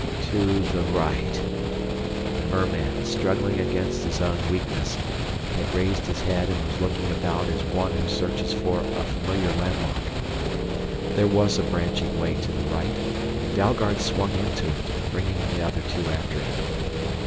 "To the right." The merman, struggling against his own weakness, had raised his head and was looking about as one who searches for a familiar landmark. There was a branching way to the right, and Dalgard swung into it, bringing the other two after him.